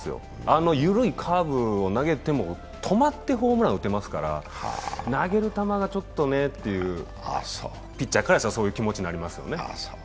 あの緩いカーブを投げても、止まってホームラン打てますから、投げる球がちょっとねっていうピッチャーからしたらそういう気持ちになりますよね。